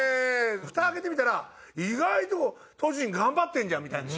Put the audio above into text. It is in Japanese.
ふた開けてみたら意外と巨人頑張ってるじゃんみたいな４月。